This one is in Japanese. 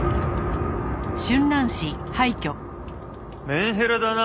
メンヘラだな。